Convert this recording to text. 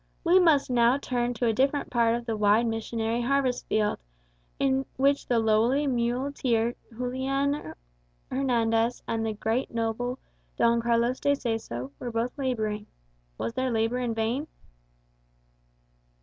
We must now turn to a different part of the wide missionary harvest field, in which the lowly muleteer Juliano Hernandez, and the great noble Don Carlos de Seso, were both labouring. Was their labour in vain?